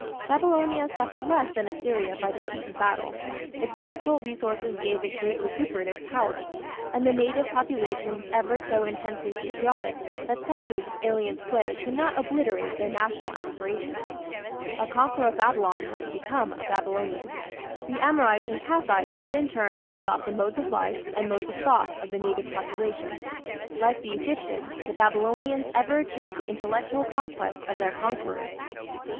Babylonia suffered less than Assyria by defeat in battle; its natural resources gave it great recuperative powers, and the native population was ever so intensely patriotic that centuries of alien sway could not obliterate their national aspirations. A conqueror of Babylon had to become a Babylonian. The Amorites and Kassites had in turn to adopt the modes of life and modes of thought of the native population. Like the Egyptians, the Babylonians ever achieved the intellectual conquest of their conquerors.